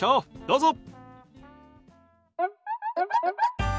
どうぞ。